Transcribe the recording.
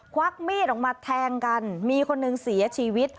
วักมีดออกมาแทงกันมีคนหนึ่งเสียชีวิต